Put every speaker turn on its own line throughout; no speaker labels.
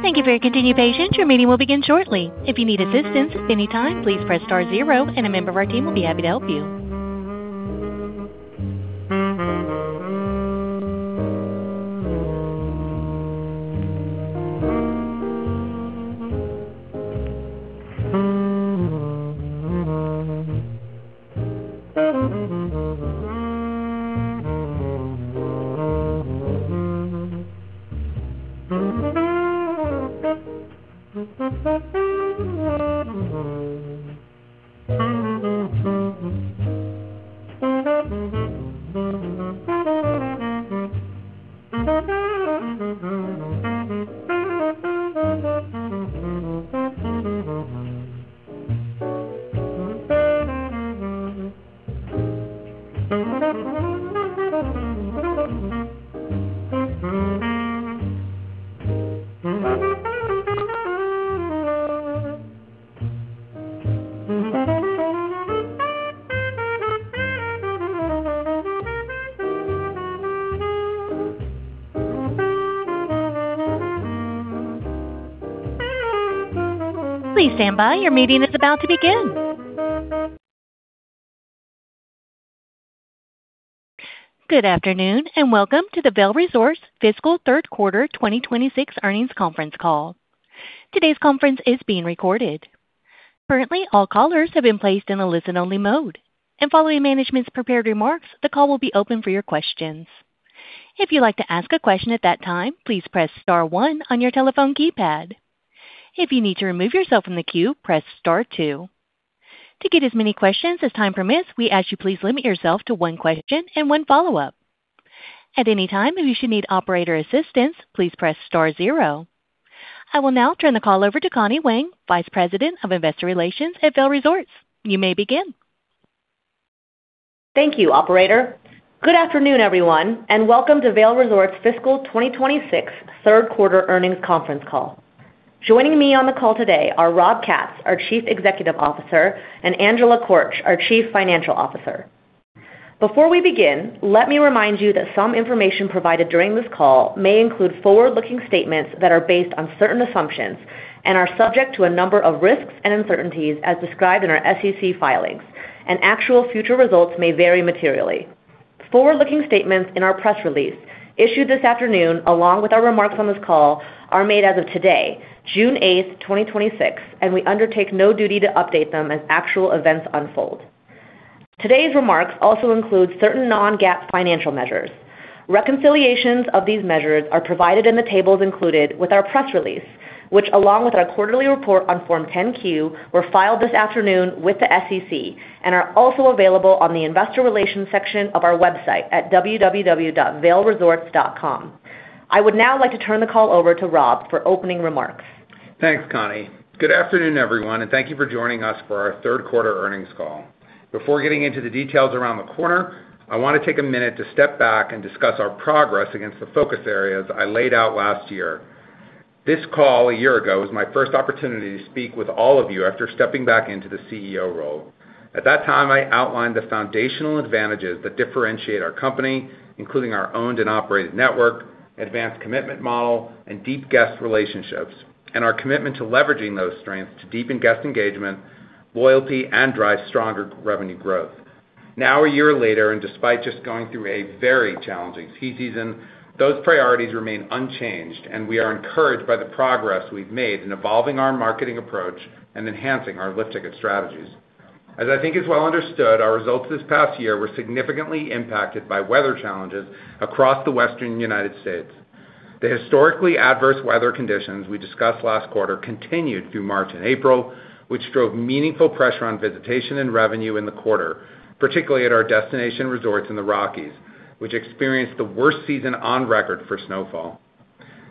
Thank you for your continued patience. Your meeting will begin shortly. If you need assistance at any time, please press Star zero and a member of our team will be happy to help you. Please stand by. Your meeting is about to begin. Good afternoon, and welcome to the Vail Resorts Fiscal Third Quarter 2026 Earnings Conference Call. Today's conference is being recorded. Currently, all callers have been placed in a listen-only mode. Following management's prepared remarks, the call will be open for your questions. If you'd like to ask a question at that time, please press star one on your telephone keypad. If you need to remove yourself from the queue, press star two. To get as many questions as time permits, we ask you please limit yourself to one question and one follow-up. At any time, if you should need operator assistance, please press Star zero. I will now turn the call over to Connie Wang, Vice President of Investor Relations at Vail Resorts. You may begin.
Thank you, operator. Good afternoon, everyone, and welcome to Vail Resorts' Fiscal 2026 Third Quarter Earnings Conference Call. Joining me on the call today are Rob Katz, our Chief Executive Officer, and Angela Korch, our Chief Financial Officer. Before we begin, let me remind you that some information provided during this call may include forward-looking statements that are based on certain assumptions and are subject to a number of risks and uncertainties as described in our SEC filings, and actual future results may vary materially. Forward-looking statements in our press release issued this afternoon, along with our remarks on this call, are made as of today, June 8th, 2026, and we undertake no duty to update them as actual events unfold. Today's remarks also include certain non-GAAP financial measures. Reconciliations of these measures are provided in the tables included with our press release, which along with our quarterly report on Form 10-Q, were filed this afternoon with the SEC and are also available on the investor relations section of our website at www.vailresorts.com. I would now like to turn the call over to Rob for opening remarks.
Thanks, Connie. Good afternoon, everyone, and thank you for joining us for our third quarter earnings call. Before getting into the details around the quarter, I want to take a minute to step back and discuss our progress against the focus areas I laid out last year. This call a year ago was my first opportunity to speak with all of you after stepping back into the CEO role. At that time, I outlined the foundational advantages that differentiate our company, including our owned and operated network, advanced commitment model, and deep guest relationships, and our commitment to leveraging those strengths to deepen guest engagement, loyalty, and drive stronger revenue growth. Now, a year later, and despite just going through a very challenging ski season, those priorities remain unchanged, and we are encouraged by the progress we've made in evolving our marketing approach and enhancing our lift ticket strategies. As I think is well understood, our results this past year were significantly impacted by weather challenges across the Western United States. The historically adverse weather conditions we discussed last quarter continued through March and April, which drove meaningful pressure on visitation and revenue in the quarter, particularly at our destination resorts in the Rockies, which experienced the worst season on record for snowfall.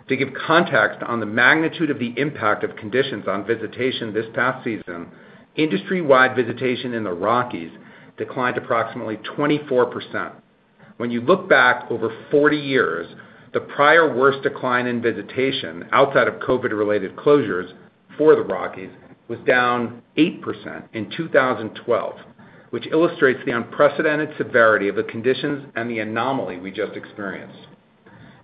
To give context on the magnitude of the impact of conditions on visitation this past season, industry-wide visitation in the Rockies declined approximately 24%. When you look back over 40 years, the prior worst decline in visitation, outside of COVID-related closures for the Rockies, was down 8% in 2012, which illustrates the unprecedented severity of the conditions and the anomaly we just experienced.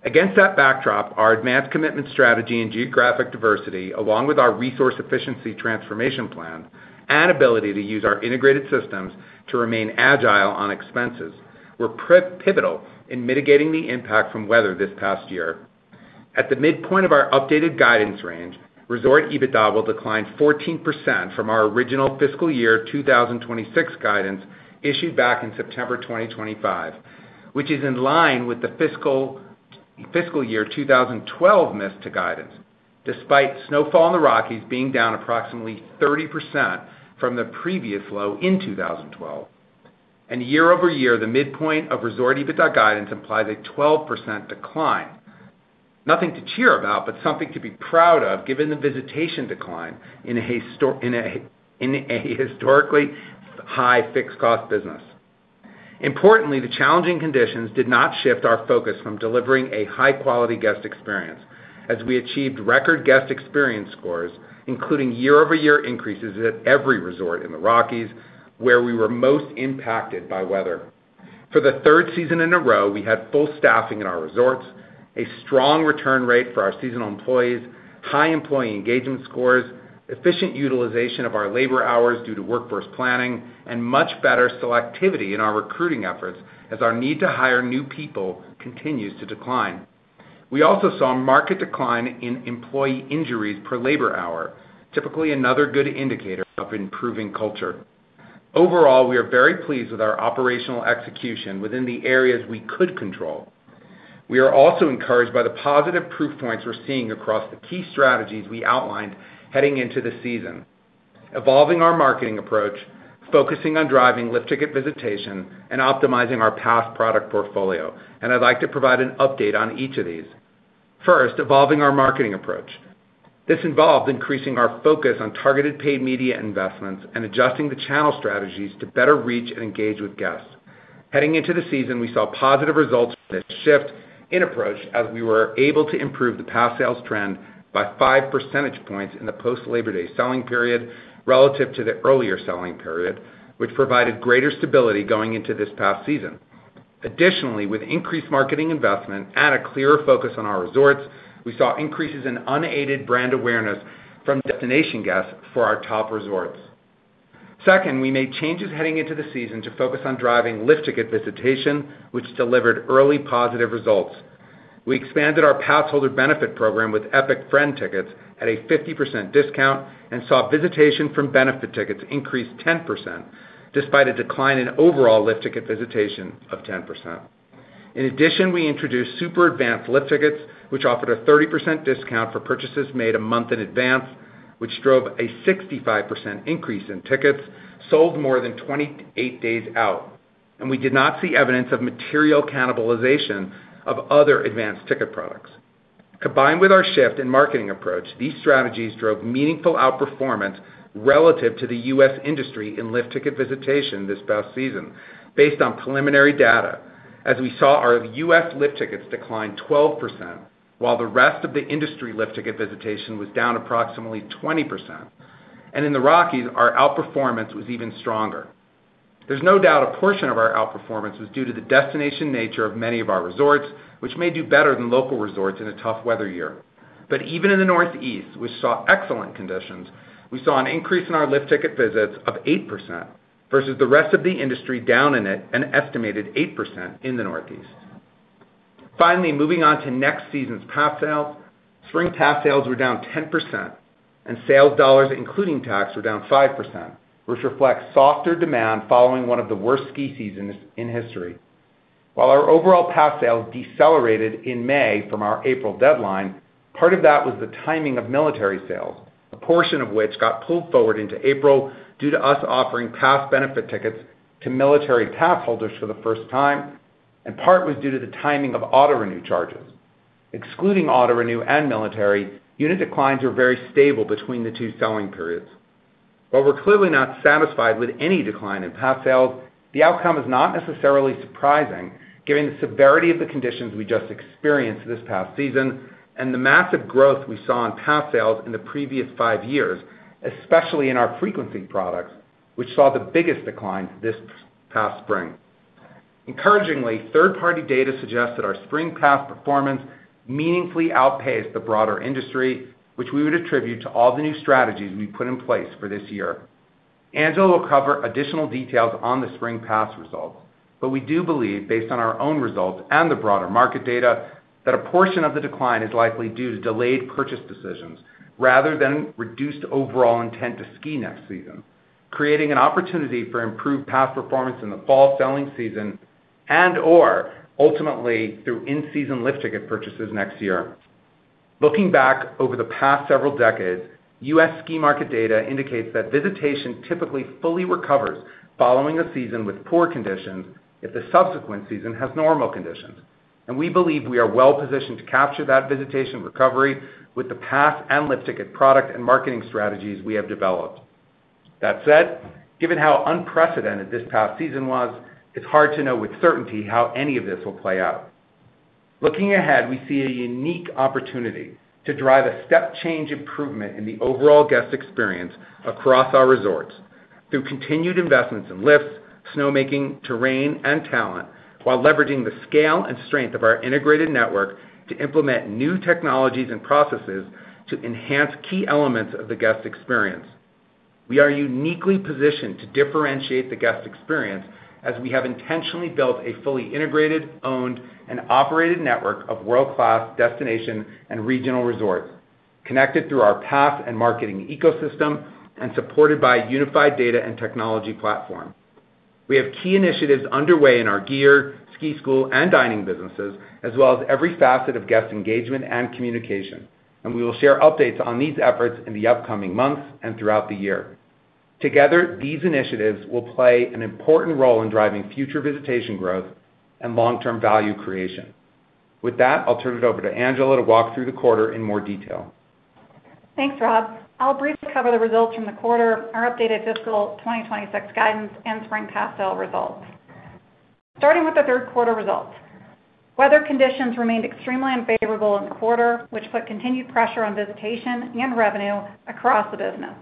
Against that backdrop, our advanced commitment strategy and geographic diversity, along with our Resource Efficiency Transformation Plan and ability to use our integrated systems to remain agile on expenses, were pivotal in mitigating the impact from weather this past year. At the midpoint of our updated guidance range, Resort EBITDA will decline 14% from our original fiscal year 2026 guidance issued back in September 2025, which is in line with the fiscal year 2012 missed guidance, despite snowfall in the Rockies being down approximately 30% from the previous low in 2012. Year-over-year, the midpoint of Resort EBITDA guidance implies a 12% decline. Nothing to cheer about, but something to be proud of given the visitation decline in a historically high fixed cost business. Importantly, the challenging conditions did not shift our focus from delivering a high-quality guest experience as we achieved record guest experience scores, including year-over-year increases at every resort in the Rockies, where we were most impacted by weather. For the third season in a row, we had full staffing in our resorts, a strong return rate for our seasonal employees, high employee engagement scores, efficient utilization of our labor hours due to workforce planning, and much better selectivity in our recruiting efforts as our need to hire new people continues to decline. We also saw a market decline in employee injuries per labor hour, typically another good indicator of improving culture. Overall, we are very pleased with our operational execution within the areas we could control. We are also encouraged by the positive proof points we're seeing across the key strategies we outlined heading into the season: evolving our marketing approach, focusing on driving lift ticket visitation, and optimizing our past product portfolio. I'd like to provide an update on each of these. First, evolving our marketing approach. This involved increasing our focus on targeted paid media investments and adjusting the channel strategies to better reach and engage with guests. Heading into the season, we saw positive results from this shift in approach as we were able to improve the past sales trend by 5 percentage points in the post Labor Day selling period relative to the earlier selling period, which provided greater stability going into this past season. Additionally, with increased marketing investment and a clearer focus on our resorts, we saw increases in unaided brand awareness from destination guests for our top resorts. Second, we made changes heading into the season to focus on driving lift ticket visitation, which delivered early positive results. We expanded our pass holder benefit program with Epic Friend Tickets at a 50% discount and saw visitation from benefit tickets increase 10%, despite a decline in overall lift ticket visitation of 10%. In addition, we introduced Super Advanced Lift Tickets, which offered a 30% discount for purchases made a month in advance, which drove a 65% increase in tickets sold more than 28 days out. We did not see evidence of material cannibalization of other advanced ticket products. Combined with our shift in marketing approach, these strategies drove meaningful outperformance relative to the U.S. industry in lift ticket visitation this past season based on preliminary data as we saw our U.S. lift tickets decline 12%, while the rest of the industry lift ticket visitation was down approximately 20%. In the Rockies, our outperformance was even stronger. There's no doubt a portion of our outperformance was due to the destination nature of many of our resorts, which may do better than local resorts in a tough weather year. Even in the Northeast, which saw excellent conditions, we saw an increase in our lift ticket visits of 8%, versus the rest of the industry down an estimated 8% in the Northeast. Finally, moving on to next season's pass sales. Spring pass sales were down 10%, and sales dollars including tax were down 5%, which reflects softer demand following one of the worst ski seasons in history. While our overall pass sales decelerated in May from our April deadline, part of that was the timing of military sales, a portion of which got pulled forward into April due to us offering pass benefit tickets to military pass holders for the first time, and part was due to the timing of auto-renew charges. Excluding auto-renew and military, unit declines were very stable between the two selling periods. While we're clearly not satisfied with any decline in pass sales, the outcome is not necessarily surprising given the severity of the conditions we just experienced this past season and the massive growth we saw in pass sales in the previous five years, especially in our frequency products, which saw the biggest decline this past spring. Encouragingly, third-party data suggests that our spring pass performance meaningfully outpaced the broader industry, which we would attribute to all the new strategies we put in place for this year. Angela will cover additional details on the spring pass results, but we do believe, based on our own results and the broader market data, that a portion of the decline is likely due to delayed purchase decisions rather than reduced overall intent to ski next season, creating an opportunity for improved pass performance in the fall selling season and/or ultimately through in-season lift ticket purchases next year. Looking back over the past several decades, U.S. ski market data indicates that visitation typically fully recovers following a season with poor conditions if the subsequent season has normal conditions. We believe we are well positioned to capture that visitation recovery with the pass and lift ticket product and marketing strategies we have developed. That said, given how unprecedented this past season was, it's hard to know with certainty how any of this will play out. Looking ahead, we see a unique opportunity to drive a step change improvement in the overall guest experience across our resorts through continued investments in lifts, snowmaking, terrain, and talent, while leveraging the scale and strength of our integrated network to implement new technologies and processes to enhance key elements of the guest experience. We are uniquely positioned to differentiate the guest experience as we have intentionally built a fully integrated, owned, and operated network of world-class destination and regional resorts connected through our pass and marketing ecosystem and supported by a unified data and technology platform. We have key initiatives underway in our gear, ski school, and dining businesses, as well as every facet of guest engagement and communication, and we will share updates on these efforts in the upcoming months and throughout the year. Together, these initiatives will play an important role in driving future visitation growth and long-term value creation. With that, I'll turn it over to Angela to walk through the quarter in more detail.
Thanks, Rob. I'll briefly cover the results from the quarter, our updated fiscal 2026 guidance, and spring pass sale results. Starting with the third quarter results. Weather conditions remained extremely unfavorable in the quarter, which put continued pressure on visitation and revenue across the business.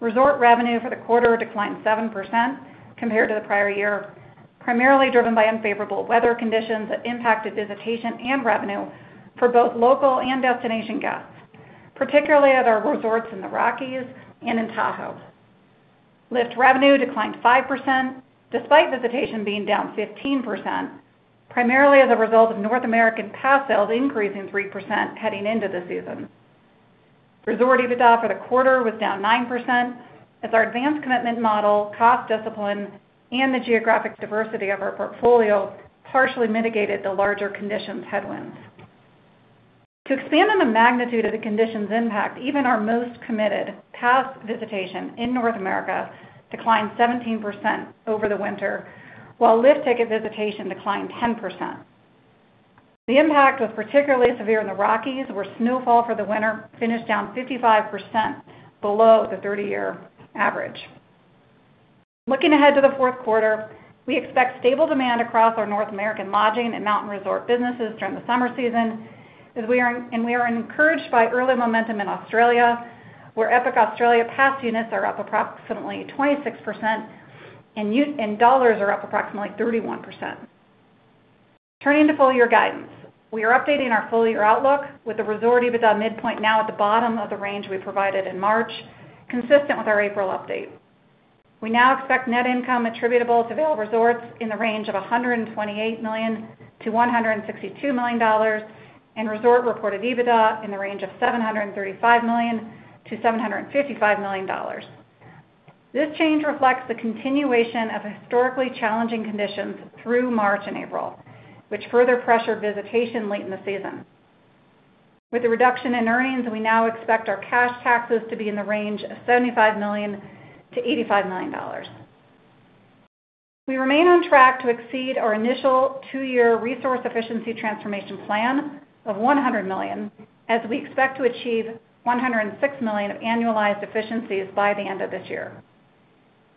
Resort revenue for the quarter declined 7% compared to the prior year, primarily driven by unfavorable weather conditions that impacted visitation and revenue for both local and destination guests, particularly at our resorts in the Rockies and in Tahoe. Lift revenue declined 5%, despite visitation being down 15%, primarily as a result of North American pass sales increasing 3% heading into the season. Resort EBITDA for the quarter was down 9%, as our advanced commitment model, cost discipline, and the geographic diversity of our portfolio partially mitigated the larger conditions headwinds. To expand on the magnitude of the conditions' impact, even our most committed pass visitation in North America declined 17% over the winter, while lift ticket visitation declined 10%. The impact was particularly severe in the Rockies, where snowfall for the winter finished down 55% below the 30-year average. Looking ahead to the fourth quarter, we expect stable demand across our North American lodging and mountain resort businesses during the summer season, and we are encouraged by early momentum in Australia, where Epic Australia Pass units are up approximately 26%, and dollars are up approximately 31%. Turning to full-year guidance. We are updating our full-year outlook with the resort EBITDA midpoint now at the bottom of the range we provided in March, consistent with our April update. We now expect net income attributable to Vail Resorts in the range of $128 million-$162 million and Resort Reported EBITDA in the range of $735 million-$755 million. This change reflects the continuation of historically challenging conditions through March and April, which further pressured visitation late in the season. With the reduction in earnings, we now expect our cash taxes to be in the range of $75 million-$85 million. We remain on track to exceed our initial two-year Resource Efficiency Transformation Plan of $100 million, as we expect to achieve $106 million of annualized efficiencies by the end of this year.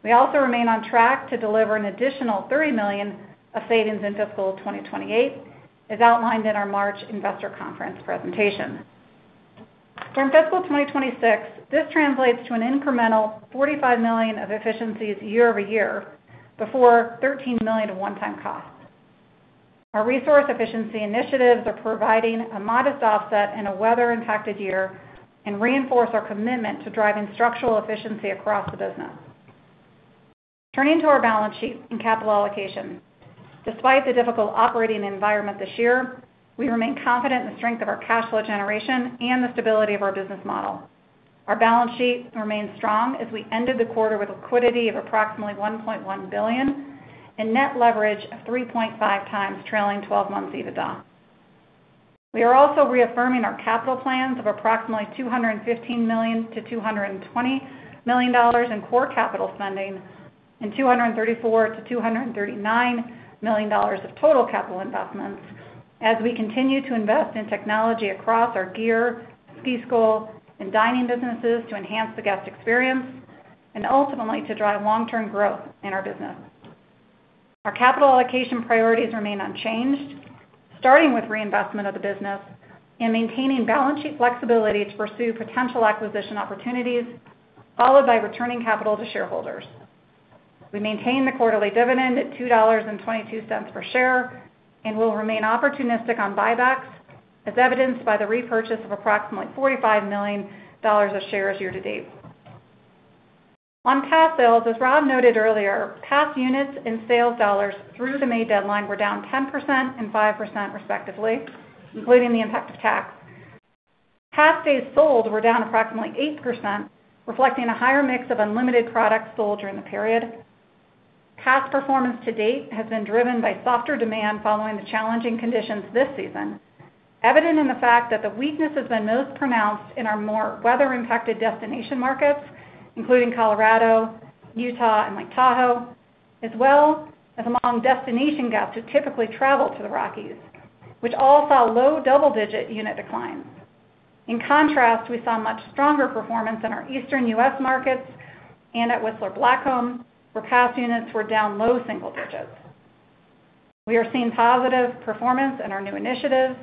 We also remain on track to deliver an additional $30 million of savings in fiscal 2028, as outlined in our March investor conference presentation. From fiscal 2026, this translates to an incremental $45 million of efficiencies year-over-year before $13 million of one-time costs. Our Resource Efficiency initiatives are providing a modest offset in a weather-impacted year and reinforce our commitment to driving structural efficiency across the business. Turning to our balance sheet and capital allocation. Despite the difficult operating environment this year, we remain confident in the strength of our cash flow generation and the stability of our business model. Our balance sheet remains strong as we ended the quarter with liquidity of approximately $1.1 billion and net leverage of 3.5 times trailing 12 months EBITDA. We are also reaffirming our capital plans of approximately $215 million-$220 million in core capital spending and $234 million-$239 million of total capital investments as we continue to invest in technology across our My Epic Gear, ski school, and dining businesses to enhance the guest experience and ultimately to drive long-term growth in our business. Our capital allocation priorities remain unchanged, starting with reinvestment of the business and maintaining balance sheet flexibility to pursue potential acquisition opportunities, followed by returning capital to shareholders. We maintain the quarterly dividend at $2.22 per share and will remain opportunistic on buybacks, as evidenced by the repurchase of approximately $45 million of shares year-to-date. On pass sales, as Rob noted earlier, pass units and sales dollars through the May deadline were down 10% and 5% respectively, including the impact of tax. Pass days sold were down approximately 8%, reflecting a higher mix of unlimited products sold during the period. Pass performance to date has been driven by softer demand following the challenging conditions this season, evident in the fact that the weakness has been most pronounced in our more weather-impacted destination markets, including Colorado, Utah, and Lake Tahoe, as well as among destination guests who typically travel to the Rockies, which all saw low double-digit unit declines. In contrast, we saw much stronger performance in our Eastern U.S. markets and at Whistler Blackcomb, where pass units were down low single digits. We are seeing positive performance in our new initiatives,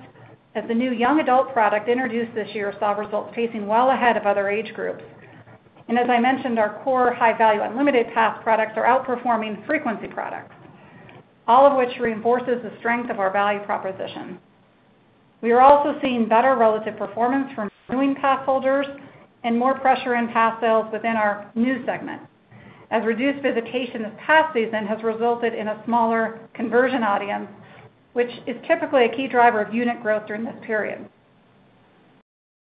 as the new young adult product introduced this year saw results pacing well ahead of other age groups. As I mentioned, our core high-value unlimited pass products are outperforming frequency products, all of which reinforces the strength of our value proposition. We are also seeing better relative performance from renewing pass holders and more pressure in pass sales within our new segment, as reduced visitation this past season has resulted in a smaller conversion audience, which is typically a key driver of unit growth during this period.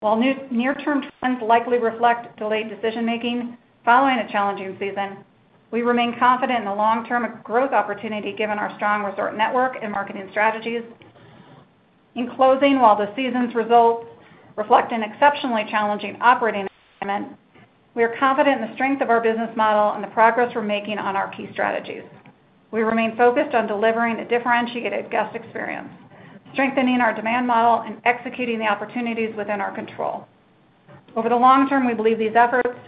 While near-term trends likely reflect delayed decision-making following a challenging season, we remain confident in the long-term growth opportunity given our strong resort network and marketing strategies. In closing, while the season's results reflect an exceptionally challenging operating environment, we are confident in the strength of our business model and the progress we're making on our key strategies. We remain focused on delivering a differentiated guest experience, strengthening our demand model, and executing the opportunities within our control. Over the long term, we believe these efforts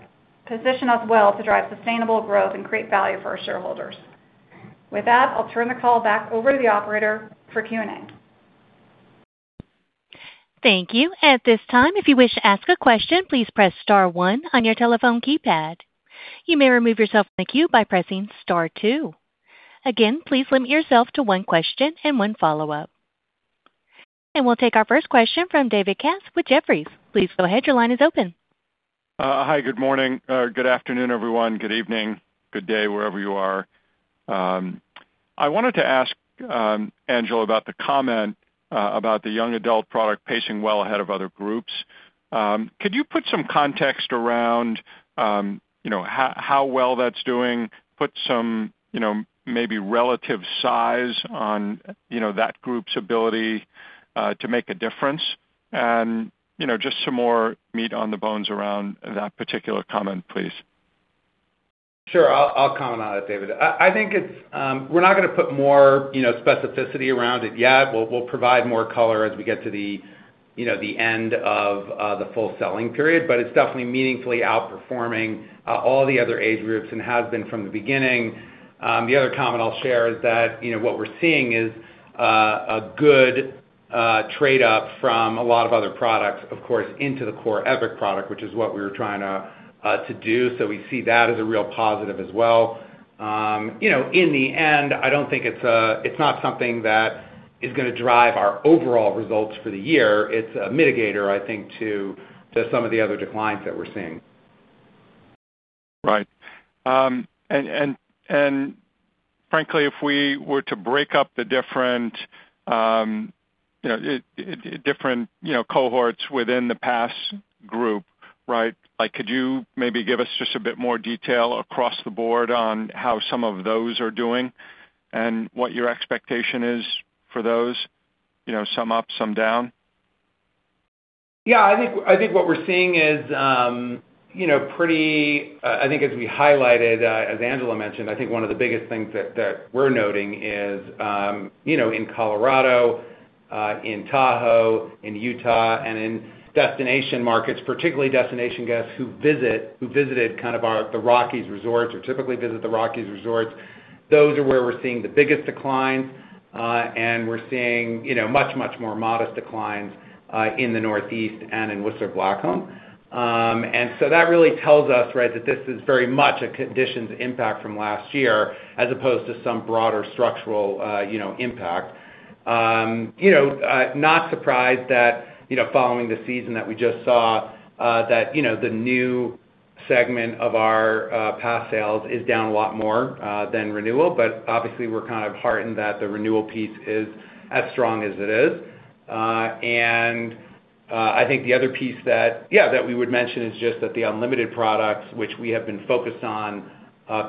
position us well to drive sustainable growth and create value for our shareholders. With that, I'll turn the call back over to the operator for Q&A.
Thank you. At this time, if you wish to ask a question, please press Star one on your telephone keypad. You may remove yourself from the queue by pressing Star two. Again, please limit yourself to one question and one follow-up. We'll take our first question from David Katz with Jefferies. Please go ahead. Your line is open.
Hi, good morning, good afternoon, everyone. Good evening, good day, wherever you are. I wanted to ask Angela about the comment about the young adult product pacing well ahead of other groups. Could you put some context around how well that's doing, put maybe relative size on that group's ability to make a difference and just some more meat on the bones around that particular comment, please.
Sure. I'll comment on it, David. We're not going to put more specificity around it yet. We'll provide more color as we get to the end of the full selling period, it's definitely meaningfully outperforming all the other age groups and has been from the beginning. The other comment I'll share is that what we're seeing is a good trade-up from a lot of other products, of course, into the core Epic product, which is what we were trying to do. We see that as a real positive as well. In the end, it's not something that is going to drive our overall results for the year. It's a mitigator to some of the other declines that we're seeing.
Right. Frankly, if we were to break up the different cohorts within the pass group, could you maybe give us just a bit more detail across the board on how some of those are doing and what your expectation is for those? Some up, some down.
What we're seeing is, as we highlighted, as Angela mentioned, one of the biggest things that we're noting is in Colorado, in Tahoe, in Utah, and in destination markets, particularly destination guests who visited the Rockies resorts or typically visit the Rockies resorts, those are where we're seeing the biggest declines. We're seeing much more modest declines in the Northeast and in Whistler Blackcomb. That really tells us that this is very much a conditions impact from last year as opposed to some broader structural impact. Not surprised that following the season that we just saw, that the new segment of our pass sales is down a lot more than renewal, obviously we're heartened that the renewal piece is as strong as it is. I think the other piece that we would mention is just that the unlimited products, which we have been focused on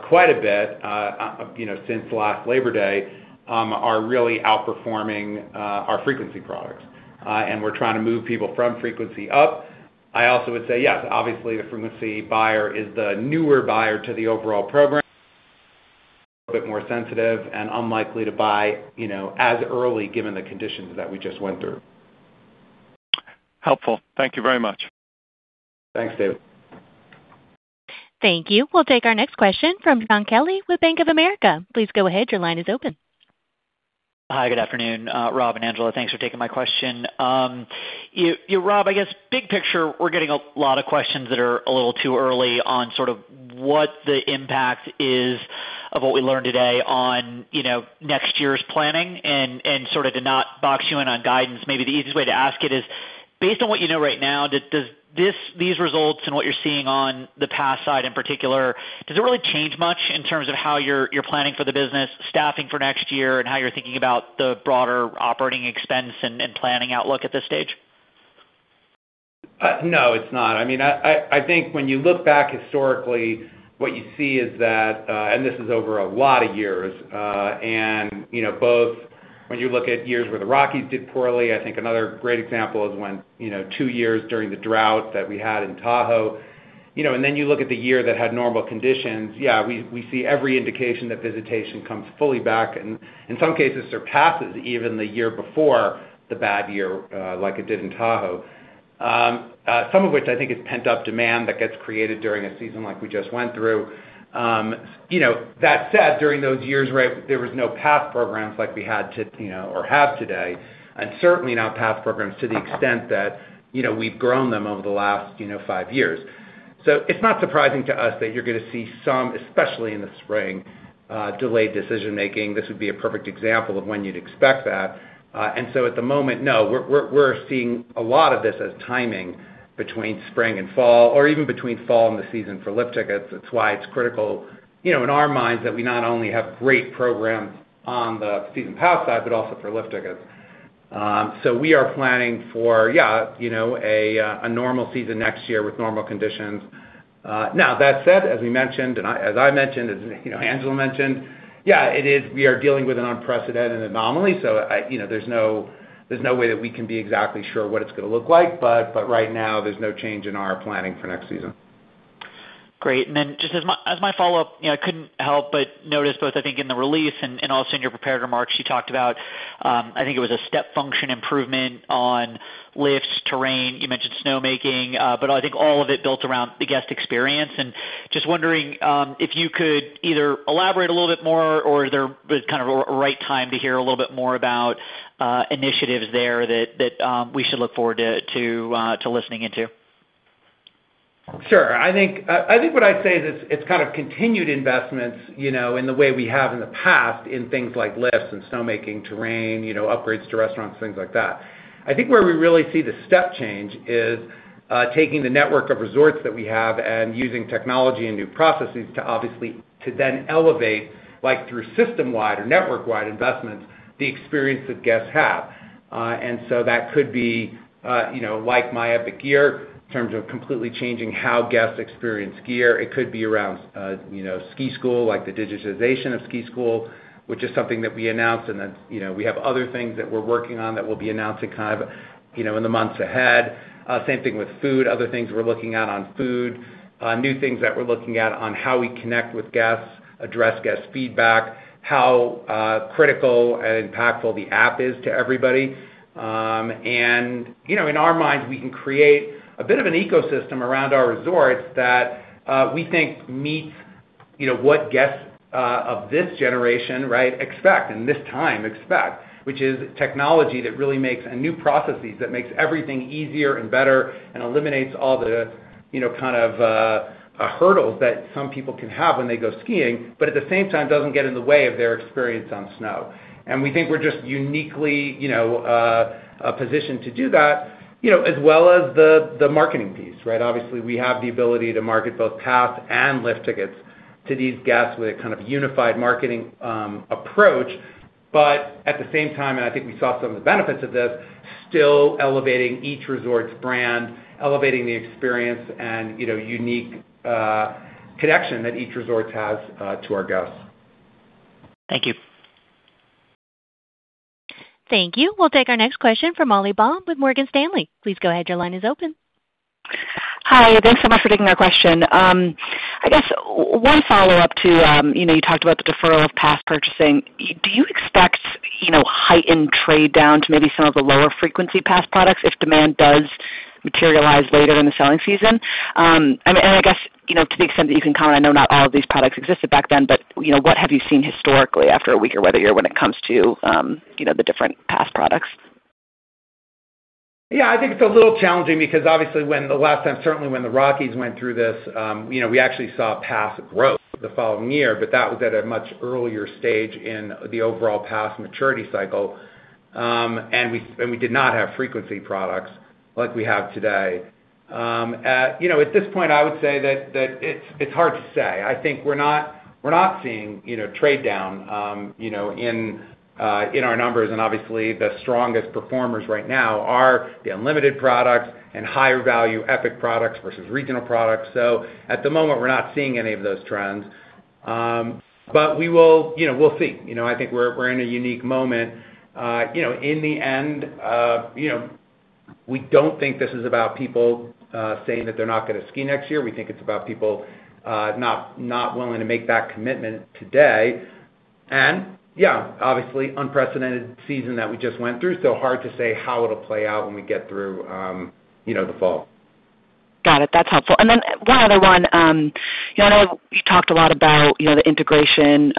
quite a bit since last Labor Day, are really outperforming our frequency products. We're trying to move people from frequency up. I also would say, yes, obviously the frequency buyer is the newer buyer to the overall program, a bit more sensitive, and unlikely to buy as early given the conditions that we just went through.
Helpful. Thank you very much.
Thanks, David.
Thank you. We'll take our next question from Shaun Kelley with Bank of America. Please go ahead. Your line is open.
Hi, good afternoon, Rob and Angela. Thanks for taking my question. Rob, I guess big picture, we're getting a lot of questions that are a little too early on sort of what the impact is of what we learned today on next year's planning and sort of to not box you in on guidance. Maybe the easiest way to ask it is, based on what you know right now, these results and what you're seeing on the pass side in particular, does it really change much in terms of how you're planning for the business, staffing for next year, and how you're thinking about the broader operating expense and planning outlook at this stage?
No, it's not. I think when you look back historically, what you see is that, this is over a lot of years, both when you look at years where the Rockies did poorly, I think another great example is when two years during the drought that we had in Tahoe. Then you look at the year that had normal conditions. Yeah, we see every indication that visitation comes fully back and in some cases surpasses even the year before the bad year, like it did in Tahoe. Some of which I think is pent-up demand that gets created during a season like we just went through. That said, during those years, there was no pass programs like we had or have today, and certainly not pass programs to the extent that we've grown them over the last five years. It's not surprising to us that you're going to see some, especially in the spring, delayed decision making. This would be a perfect example of when you'd expect that. At the moment, no, we're seeing a lot of this as timing between spring and fall or even between fall and the season for lift tickets. That's why it's critical in our minds that we not only have great programs on the season pass side, but also for lift tickets. We are planning for a normal season next year with normal conditions. Now, that said, as we mentioned, as I mentioned, as Angela mentioned, we are dealing with an unprecedented anomaly. There's no way that we can be exactly sure what it's going to look like. Right now, there's no change in our planning for next season.
Great. Just as my follow-up, I couldn't help but notice both, I think in the release and also in your prepared remarks, you talked about, I think it was a step function improvement on lifts, terrain, you mentioned snowmaking, but I think all of it built around the guest experience. Just wondering if you could either elaborate a little bit more or is there a right time to hear a little bit more about initiatives there that we should look forward to listening into?
Sure. I think what I'd say is it's continued investments in the way we have in the past in things like lifts and snowmaking, terrain, upgrades to restaurants, things like that. I think where we really see the step change is taking the network of resorts that we have and using technology and new processes to obviously, to then elevate, through system-wide or network-wide investments, the experience that guests have. So that could be like My Epic Gear, in terms of completely changing how guests experience gear. It could be around ski school, like the digitization of ski school, which is something that we announced, and we have other things that we're working on that we'll be announcing in the months ahead. Same thing with food. Other things we're looking at on food. New things that we're looking at on how we connect with guests, address guest feedback, how critical and impactful the app is to everybody. In our minds, we can create a bit of an ecosystem around our resorts that we think meets what guests of this generation expect, in this time expect, which is technology that really makes and new processes that makes everything easier and better and eliminates all the hurdles that some people can have when they go skiing, but at the same time, doesn't get in the way of their experience on snow. We think we're just uniquely positioned to do that, as well as the marketing piece. Obviously, we have the ability to market both pass and lift tickets to these guests with a unified marketing approach. At the same time, and I think we saw some of the benefits of this, still elevating each resort's brand, elevating the experience, and unique connection that each resort has to our guests.
Thank you.
Thank you. We'll take our next question from Molly Baum with Morgan Stanley. Please go ahead, your line is open.
Hi, thanks so much for taking our question. I guess one follow-up to, you talked about the deferral of pass purchasing. Do you expect heightened trade down to maybe some of the lower frequency pass products if demand does materialize later in the selling season? I guess, to the extent that you can comment, I know not all of these products existed back then, but what have you seen historically after a weaker weather year when it comes to the different pass products?
Yeah, I think it's a little challenging because obviously when the last time, certainly when the Rockies went through this, we actually saw pass growth the following year, but that was at a much earlier stage in the overall pass maturity cycle. We did not have frequency products like we have today. At this point, I would say that it's hard to say. I think we're not seeing trade down in our numbers, and obviously, the strongest performers right now are the unlimited products and higher value Epic products versus regional products. At the moment, we're not seeing any of those trends. We'll see. I think we're in a unique moment. In the end, we don't think this is about people saying that they're not going to ski next year. We think it's about people not willing to make that commitment today. Yeah, obviously unprecedented season that we just went through, so hard to say how it'll play out when we get through the fall.
Got it. That's helpful. One other one. I know you talked a lot about the integration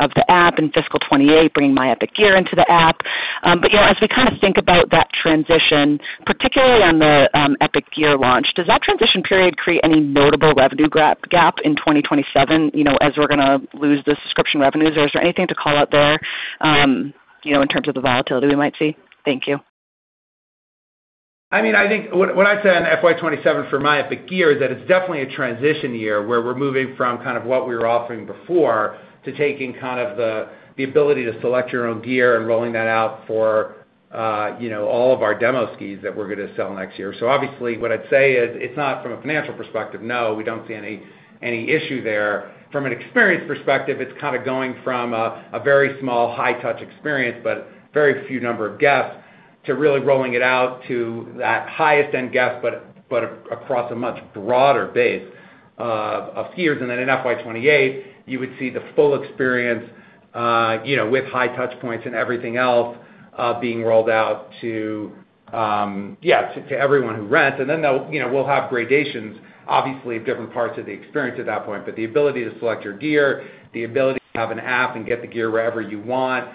of the app in FY 2028, bringing My Epic Gear into the app. As we think about that transition, particularly on the My Epic Gear launch, does that transition period create any notable revenue gap in 2027 as we're going to lose the subscription revenues, or is there anything to call out there in terms of the volatility we might see? Thank you.
What I'd say on FY 2027 for My Epic Gear is that it's definitely a transition year where we're moving from what we were offering before to taking the ability to select your own gear and rolling that out for all of our demo skis that we're going to sell next year. Obviously, what I'd say is it's not from a financial perspective. No, we don't see any issue there. From an experience perspective, it's going from a very small high touch experience, but very few number of guests, to really rolling it out to that highest end guest, but across a much broader base of skiers. In FY 2028, you would see the full experience with high touch points and everything else being rolled out to everyone who rents. We'll have gradations, obviously at different parts of the experience at that point. The ability to select your gear, the ability to have an app and get the gear wherever you want,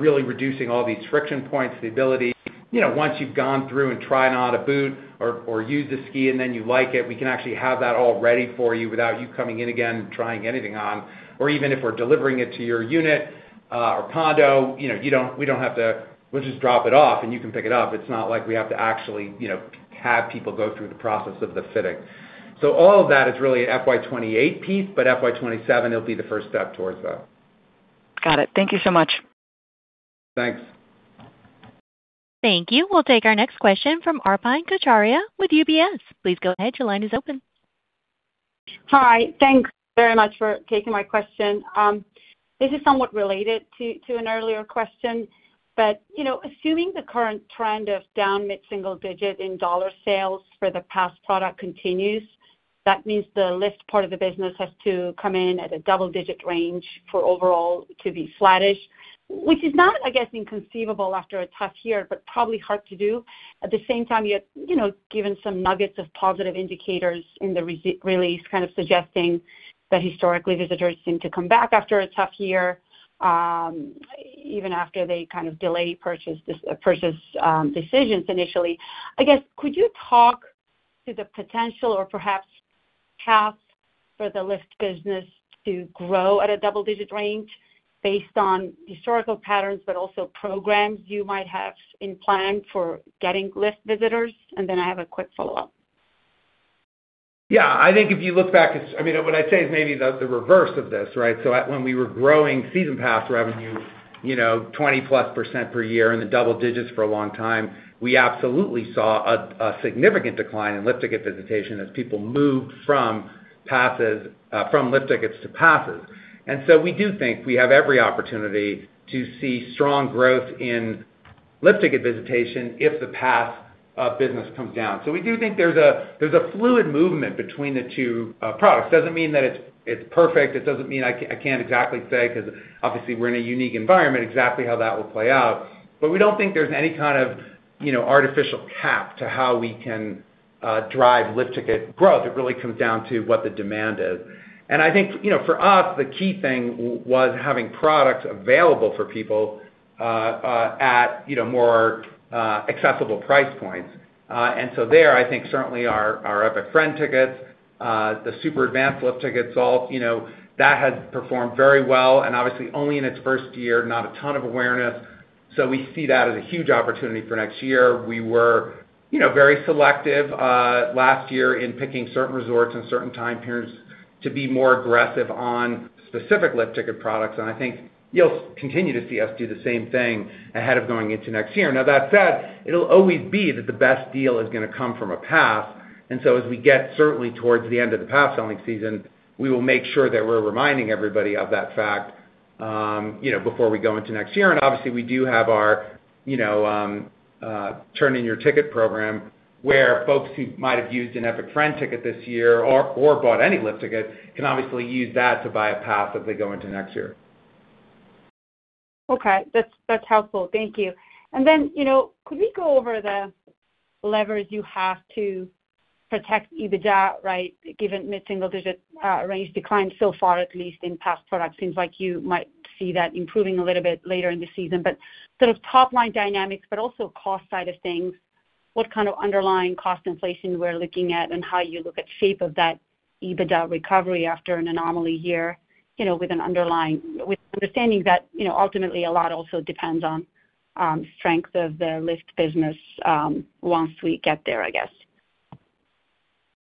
really reducing all these friction points, the ability, once you've gone through and tried on a boot or used a ski and then you like it, we can actually have that all ready for you without you coming in again and trying anything on. Even if we're delivering it to your unit or condo, we'll just drop it off and you can pick it up. It's not like we have to actually have people go through the process of the fitting. All of that is really an FY 2028 piece, but FY 2027, it'll be the first step towards that.
Got it. Thank you so much.
Thanks.
Thank you. We'll take our next question from Arpine Kocharyan with UBS. Please go ahead, your line is open.
Hi. Thanks very much for taking my question. This is somewhat related to an earlier question. Assuming the current trend of down mid-single-digit in dollar sales for the Pass product continues That means the Lift part of the business has to come in at a double-digit range for overall to be flattish, which is not, I guess, inconceivable after a tough year, but probably hard to do. At the same time, you had given some nuggets of positive indicators in the release suggesting that historically, visitors seem to come back after a tough year, even after they delay purchase decisions initially. I guess, could you talk to the potential or perhaps path for the Lift business to grow at a double-digit range based on historical patterns, but also programs you might have in plan for getting Lift visitors? Then I have a quick follow-up.
Yeah, what I'd say is maybe the reverse of this, right? When we were growing season Pass revenue, 20+% per year in the double-digits for a long time, we absolutely saw a significant decline in Lift Ticket visitation as people moved from Lift Tickets to Passes. We do think we have every opportunity to see strong growth in Lift Ticket visitation if the Pass business comes down. We do think there's a fluid movement between the two products. Doesn't mean that it's perfect. Doesn't mean I can't exactly say, because obviously we're in a unique environment, exactly how that will play out. We don't think there's any kind of artificial cap to how we can drive Lift Ticket growth. It really comes down to what the demand is. I think for us, the key thing was having products available for people at more accessible price points. There, I think certainly our Epic Friend Tickets, the Super Advanced Lift Tickets, that has performed very well and obviously only in its first year, not a ton of awareness. We see that as a huge opportunity for next year. We were very selective last year in picking certain resorts and certain time periods to be more aggressive on specific lift ticket products, and I think you'll continue to see us do the same thing ahead of going into next year. That said, it'll always be that the best deal is going to come from a pass. As we get certainly towards the end of the pass-selling season, we will make sure that we're reminding everybody of that fact before we go into next year. Obviously, we do have our Turn In Your Ticket program, where folks who might have used an Epic Friend Ticket this year or bought any lift ticket can obviously use that to buy a pass as they go into next year.
Okay. That's helpful. Thank you. Then, could we go over the levers you have to protect EBITDA, right? Given mid-single-digit range decline so far, at least in pass products. Seems like you might see that improving a little bit later in the season, but sort of top-line dynamics, but also cost side of things. What kind of underlying cost inflation we're looking at and how you look at shape of that EBITDA recovery after an anomaly year with understanding that ultimately a lot also depends on strength of the lift business once we get there, I guess.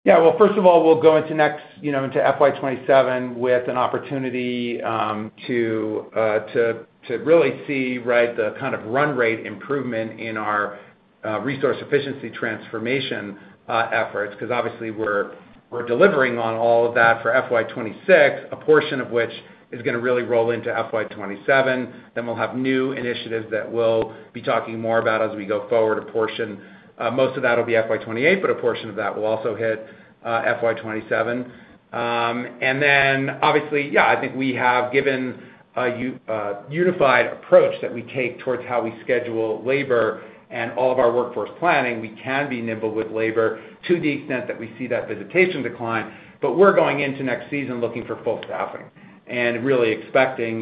Well, first of all, we'll go into FY 2027 with an opportunity to really see the kind of run rate improvement in our Resource Efficiency Transformation efforts, because obviously we're delivering on all of that for FY 2026, a portion of which is going to really roll into FY 2027. We'll have new initiatives that we'll be talking more about as we go forward. Most of that will be FY 2028, but a portion of that will also hit FY 2027. Obviously, yeah, I think we have given a unified approach that we take towards how we schedule labor and all of our workforce planning. We can be nimble with labor to the extent that we see that visitation decline, but we're going into next season looking for full staffing and really expecting,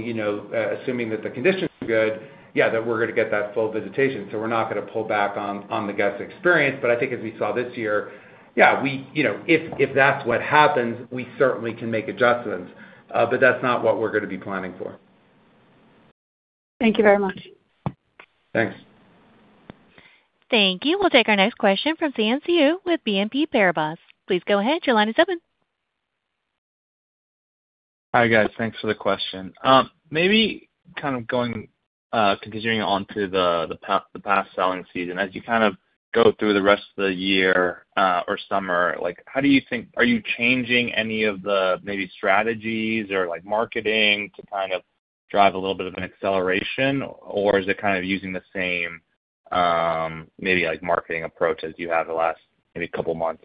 assuming that the conditions are good, yeah, that we're going to get that full visitation. We're not going to pull back on the guest experience. I think as we saw this year, yeah, if that's what happens, we certainly can make adjustments. That's not what we're going to be planning for.
Thank you very much.
Thanks.
Thank you. We'll take our next question from Xian Siew with BNP Paribas. Please go ahead. Your line is open.
Hi, guys. Thanks for the question. Kind of continuing on to the pass selling season, as you kind of go through the rest of the year or summer, are you changing any of the maybe strategies or marketing to kind of drive a little bit of an acceleration? Is it kind of using the same maybe marketing approach as you have the last maybe couple of months?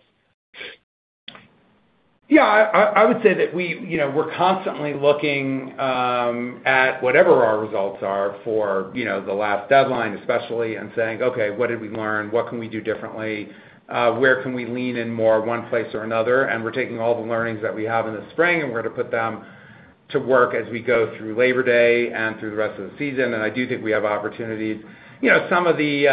I would say that we're constantly looking at whatever our results are for the last deadline especially, and saying, "Okay, what did we learn? What can we do differently? Where can we lean in more, one place or another?" We're taking all the learnings that we have in the spring, and we're going to put them to work as we go through Labor Day and through the rest of the season. I do think we have opportunities. Some of the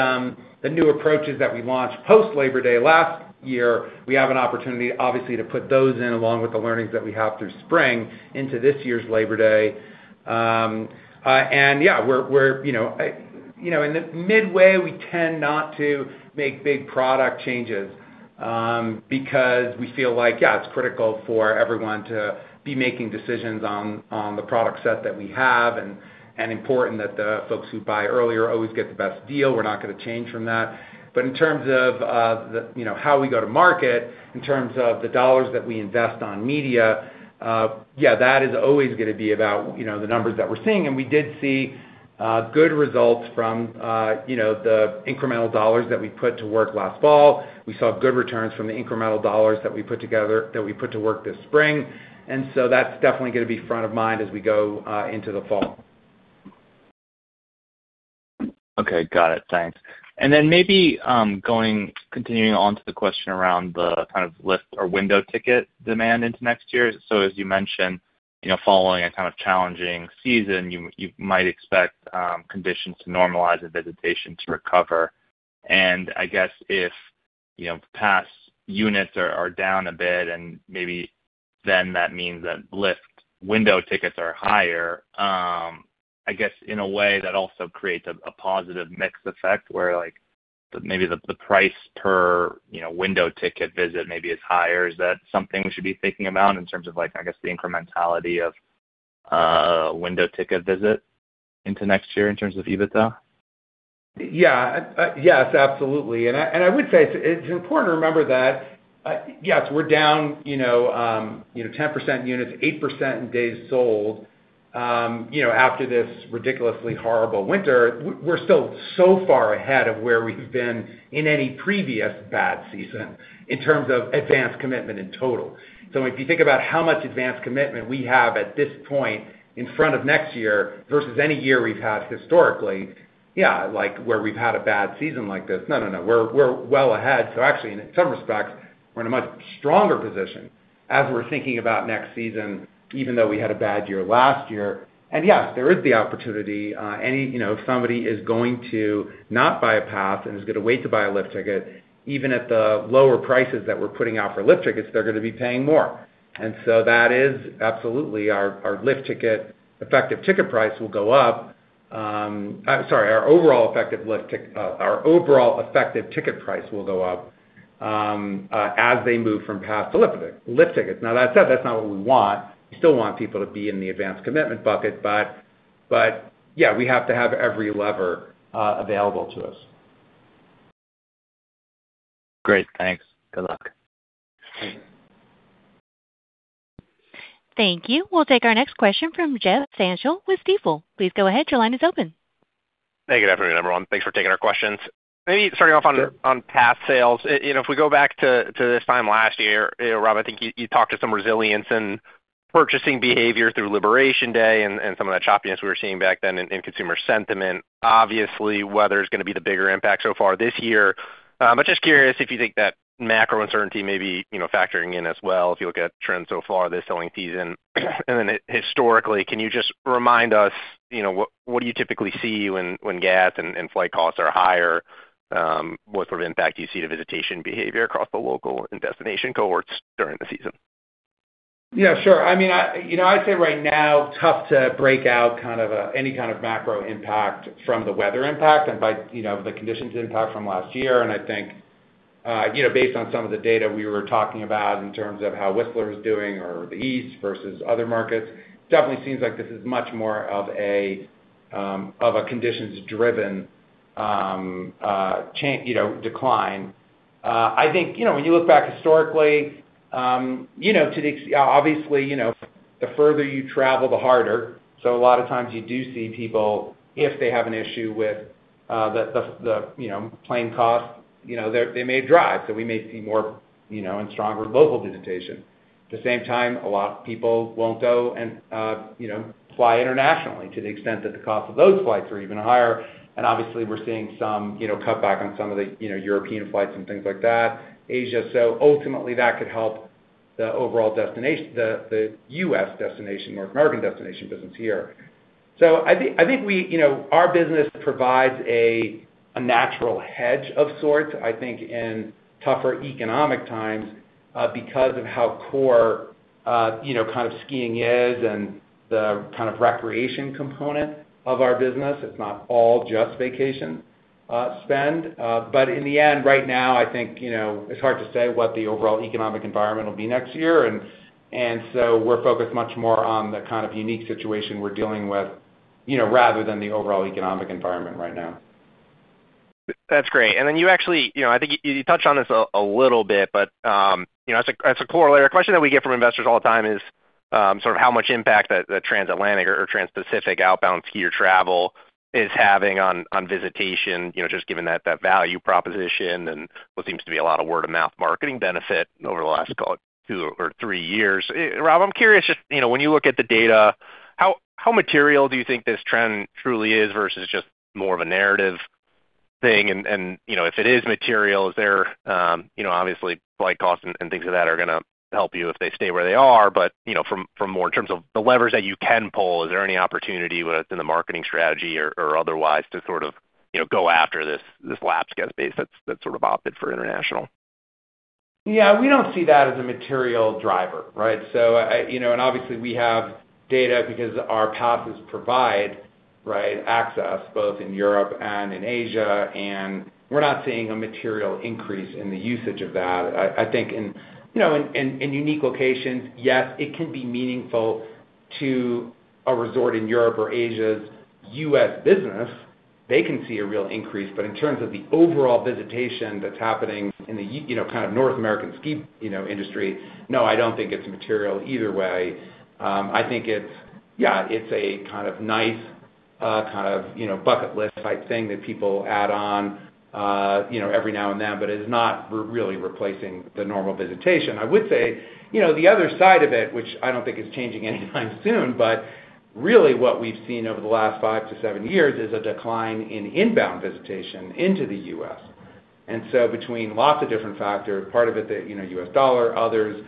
new approaches that we launched post Labor Day last year, we have an opportunity, obviously, to put those in, along with the learnings that we have through spring into this year's Labor Day. In the midway, we tend not to make big product changes because we feel like, it's critical for everyone to be making decisions on the product set that we have and important that the folks who buy earlier always get the best deal. We're not going to change from that. In terms of how we go to market, in terms of the dollars that we invest on media, that is always going to be about the numbers that we're seeing. We did see good results from the incremental dollars that we put to work last fall. We saw good returns from the incremental dollars that we put to work this spring, that's definitely going to be front of mind as we go into the fall.
Okay, got it. Thanks. Maybe continuing on to the question around the lift or window ticket demand into next year. As you mentioned, following a kind of challenging season, you might expect conditions to normalize and visitation to recover. I guess if pass units are down a bit and maybe then that means that lift window tickets are higher, I guess in a way that also creates a positive mix effect where maybe the price per window ticket visit maybe is higher. Is that something we should be thinking about in terms of, I guess, the incrementality of a window ticket visit into next year in terms of EBITDA?
Yes, absolutely. I would say it's important to remember that, yes, we're down 10% in units, 8% in Days Sold after this ridiculously horrible winter. We're still so far ahead of where we've been in any previous bad season in terms of advance commitment in total. If you think about how much advance commitment we have at this point in front of next year versus any year we've had historically, like where we've had a bad season like this. No, we're well ahead. Actually, in some respects, we're in a much stronger position as we're thinking about next season, even though we had a bad year last year. Yes, there is the opportunity. If somebody is going to not buy a pass and is going to wait to buy a lift ticket, even at the lower prices that we're putting out for lift tickets, they're going to be paying more. That is absolutely our lift ticket effective ticket price will go up. Sorry, our overall effective ticket price will go up as they move from pass to lift tickets. That said, that's not what we want. We still want people to be in the advance commitment bucket, but yeah, we have to have every lever available to us.
Great, thanks. Good luck.
Thank you. We'll take our next question from Jeffrey Stantial with Stifel. Please go ahead. Your line is open.
Hey, good afternoon, everyone. Thanks for taking our questions. Maybe starting off on pass sales. If we go back to this time last year, Rob, I think you talked to some resilience in purchasing behavior through Labor Day and some of that choppiness we were seeing back then in consumer sentiment. Obviously, weather's going to be the bigger impact so far this year. Just curious if you think that macro uncertainty may be factoring in as well, if you look at trends so far this selling season and then historically, can you just remind us what do you typically see when gas and flight costs are higher? What sort of impact do you see to visitation behavior across the local and destination cohorts during the season?
Yeah, sure. I'd say right now, tough to break out any kind of macro impact from the weather impact and by the conditions impact from last year. I think based on some of the data we were talking about in terms of how Whistler is doing or the East versus other markets, definitely seems like this is much more of a conditions-driven decline. I think when you look back historically, obviously, the further you travel, the harder. A lot of times you do see people, if they have an issue with the plane cost, they may drive. We may see more and stronger local visitation. At the same time, a lot of people won't go and fly internationally to the extent that the cost of those flights are even higher. Obviously we're seeing some cutback on some of the European flights and things like that, Asia. Ultimately that could help the overall U.S. destination, North American destination business here. I think our business provides a natural hedge of sorts, I think in tougher economic times because of how core skiing is and the recreation component of our business. It's not all just vacation spend. In the end right now, I think it's hard to say what the overall economic environment will be next year. We're focused much more on the unique situation we're dealing with rather than the overall economic environment right now.
That's great. You actually, I think you touched on this a little bit. As a corollary, a question that we get from investors all the time is how much impact that transatlantic or transpacific outbound skier travel is having on visitation, just given that value proposition and what seems to be a lot of word-of-mouth marketing benefit over the last call it two or three years. Rob, I'm curious just when you look at the data, how material do you think this trend truly is versus just more of a narrative thing? If it is material, obviously flight costs and things like that are going to help you if they stay where they are. From more in terms of the levers that you can pull, is there any opportunity within the marketing strategy or otherwise to sort of go after this lapsed guest base that's sort of opted for international?
Yeah, we don't see that as a material driver. Right? Obviously we have data because our passes provide access both in Europe and in Asia, we're not seeing a material increase in the usage of that. I think in unique locations, yes, it can be meaningful to a resort in Europe or Asia's U.S. business. They can see a real increase. In terms of the overall visitation that's happening in the North American ski industry, no, I don't think it's material either way. I think it's a nice bucket list type thing that people add on every now and then, but it is not really replacing the normal visitation. I would say, the other side of it, which I don't think is changing anytime soon, really what we've seen over the last five to seven years is a decline in inbound visitation into the U.S. Between lots of different factors, part of it the U.S. dollar, others,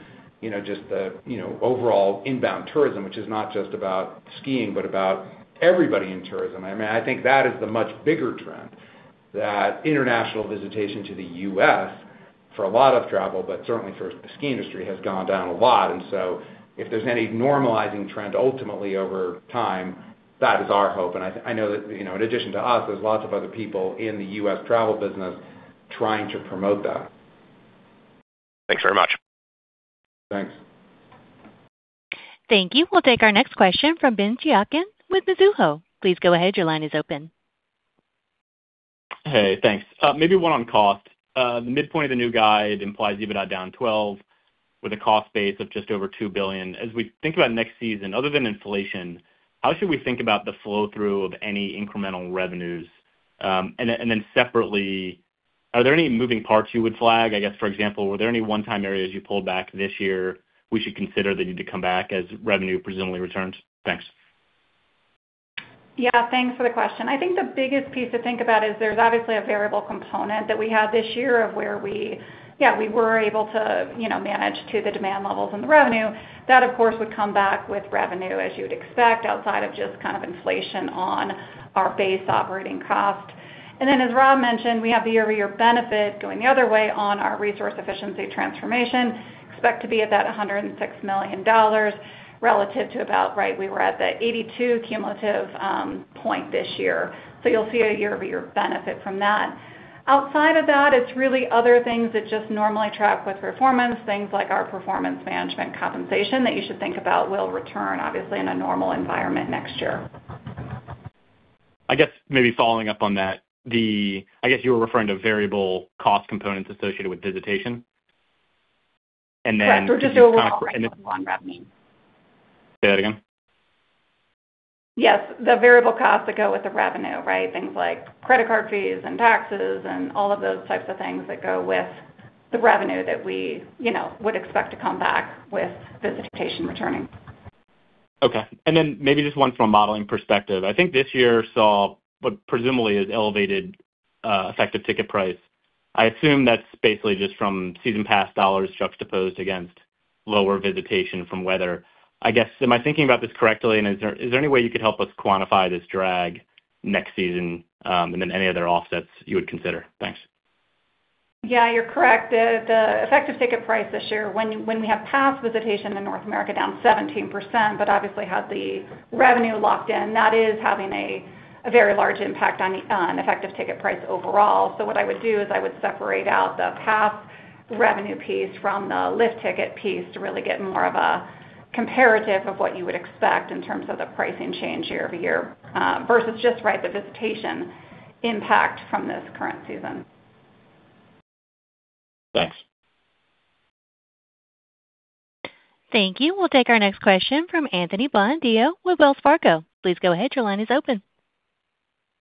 just the overall inbound tourism, which is not just about skiing, but about everybody in tourism. I think that is the much bigger trend, that international visitation to the U.S. for a lot of travel, but certainly for the ski industry, has gone down a lot. If there's any normalizing trend ultimately over time, that is our hope. I know that in addition to us, there's lots of other people in the U.S. travel business trying to promote that.
Thanks very much.
Thanks.
Thank you. We'll take our next question from Ben Chaiken with Mizuho. Please go ahead. Your line is open.
Hey, thanks. Maybe one on cost. The midpoint of the new guide implies EBITDA down 12% with a cost base of just over $2 billion. As we think about next season, other than inflation, how should we think about the flow-through of any incremental revenues? Separately, are there any moving parts you would flag? I guess, for example, were there any one-time areas you pulled back this year we should consider that need to come back as revenue presumably returns? Thanks.
Yeah. Thanks for the question. I think the biggest piece to think about is there's obviously a variable component that we had this year of where we were able to manage to the demand levels and the revenue. That, of course, would come back with revenue as you would expect, outside of just inflation on our base operating cost. As Rob mentioned, we have the year-over-year benefit going the other way on our Resource Efficiency Transformation. Expect to be at that $106 million relative to about, we were at the $82 million cumulative point this year. You'll see a year-over-year benefit from that. Outside of that, it's really other things that just normally track with performance, things like our performance management compensation that you should think about will return obviously in a normal environment next year.
I guess maybe following up on that, I guess you were referring to variable cost components associated with visitation?
Correct. Just overall on revenue.
Say that again.
Yes. The variable costs that go with the revenue, right? Things like credit card fees and taxes and all of those types of things that go with the revenue that we would expect to come back with visitation returning.
Okay. Then maybe just one from a modeling perspective. I think this year saw what presumably is elevated effective ticket price. I assume that's basically just from season pass dollars juxtaposed against lower visitation from weather. Am I thinking about this correctly, and is there any way you could help us quantify this drag next season? Then any other offsets you would consider. Thanks.
Yeah, you're correct. The effective ticket price this year when we have pass visitation in North America down 17%, obviously had the revenue locked in, that is having a very large impact on effective ticket price overall. What I would do is I would separate out the pass revenue piece from the lift ticket piece to really get more of a comparative of what you would expect in terms of the pricing change year-over-year, versus just the visitation impact from this current season.
Thanks.
Thank you. We'll take our next question from Anthony Bonadio with Wells Fargo. Please go ahead. Your line is open.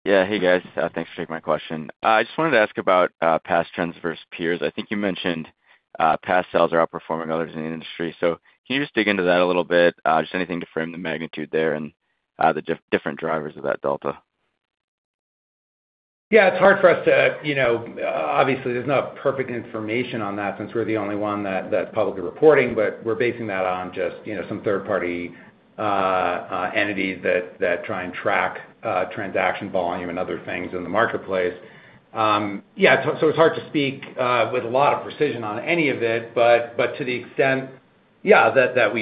Yeah. Hey, guys. Thanks for taking my question. I just wanted to ask about pass trends versus peers. I think you mentioned pass sales are outperforming others in the industry. Can you just dig into that a little bit? Just anything to frame the magnitude there and the different drivers of that delta.
Yeah, obviously, there's not perfect information on that since we're the only one that's publicly reporting, but we're basing that on just some third party entities that try and track transaction volume and other things in the marketplace. It's hard to speak with a lot of precision on any of it, but to the extent that we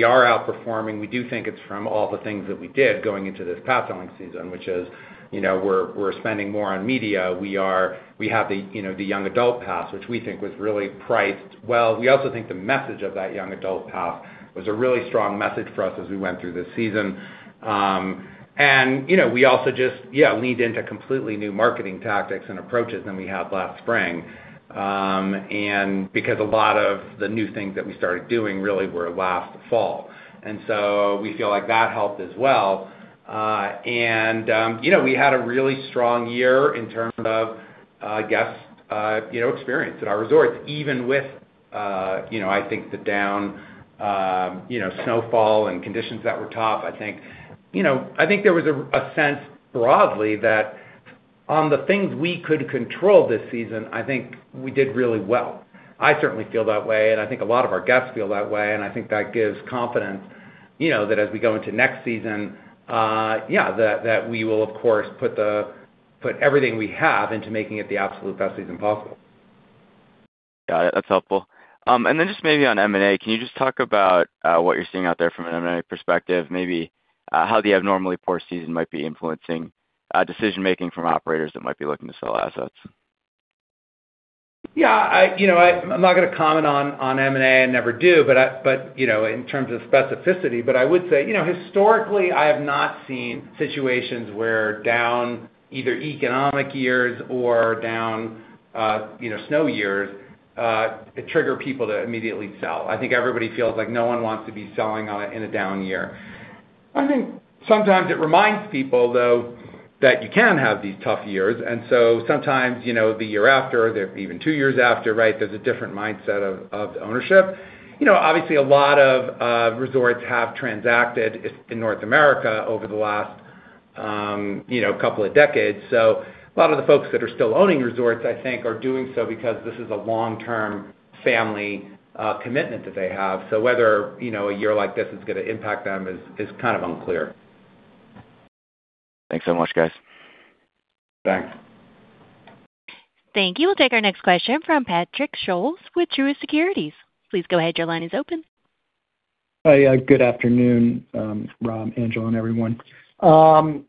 are outperforming, we do think it's from all the things that we did going into this pass selling season, which is we're spending more on media. We have the young adult pass, which we think was really priced well. We also think the message of that young adult pass was a really strong message for us as we went through this season. We also just leaned into completely new marketing tactics and approaches than we had last spring. Because a lot of the new things that we started doing really were last fall. We feel like that helped as well. We had a really strong year in terms of guest experience at our resorts, even with I think the down snowfall and conditions that were tough. I think there was a sense broadly that on the things we could control this season, I think we did really well. I certainly feel that way, and I think a lot of our guests feel that way, and I think that gives confidence that as we go into next season, that we will, of course, put everything we have into making it the absolute best season possible.
Got it. That's helpful. Just maybe on M&A, can you just talk about what you're seeing out there from an M&A perspective, maybe how the abnormally poor season might be influencing decision-making from operators that might be looking to sell assets?
Yeah. I'm not going to comment on M&A. I never do in terms of specificity. I would say historically, I have not seen situations where down either economic years or down snow years trigger people to immediately sell. I think everybody feels like no one wants to be selling in a down year. I think sometimes it reminds people, though, that you can have these tough years. Sometimes, the year after, even two years after, there's a different mindset of the ownership. Obviously, a lot of resorts have transacted in North America over the last couple of decades. A lot of the folks that are still owning resorts, I think, are doing so because this is a long-term family commitment that they have. Whether a year like this is going to impact them is unclear.
Thanks so much, guys.
Thanks.
Thank you. We'll take our next question from Patrick Scholes with Truist Securities. Please go ahead. Your line is open.
Hi. Good afternoon, Rob, Angela, and everyone. Can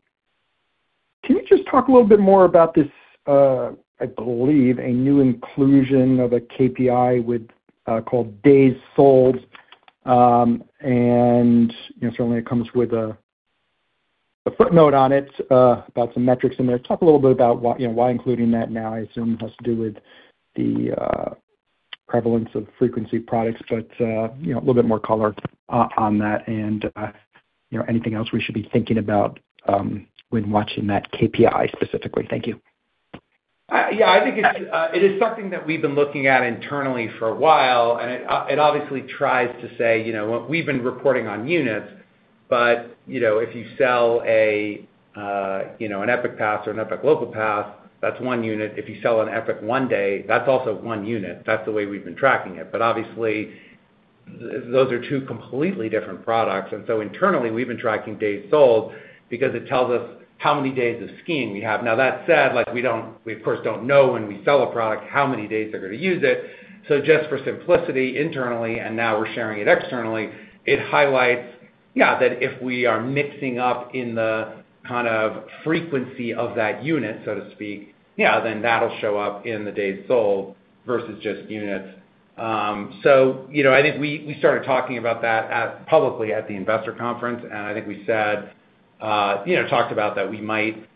you just talk a little bit more about this, I believe, a new inclusion of a KPI called days sold, and certainly it comes with a footnote on it about some metrics in there. Talk a little bit about why including that now, I assume has to do with the prevalence of frequency products, but a little bit more color on that and anything else we should be thinking about when watching that KPI specifically. Thank you.
Yeah. I think it is something that we've been looking at internally for a while, it obviously tries to say, we've been reporting on units, if you sell an Epic Pass or an Epic Local Pass, that's one unit. If you sell an Epic Day Pass, that's also one unit. That's the way we've been tracking it. Obviously, those are two completely different products. Internally, we've been tracking days sold because it tells us how many days of skiing we have. That said, we of course don't know when we sell a product how many days they're going to use it. Just for simplicity internally, and now we're sharing it externally, it highlights that if we are mixing up in the kind of frequency of that unit, so to speak, then that'll show up in the days sold versus just units. I think we started talking about that publicly at the investor conference, and I think we talked about that we might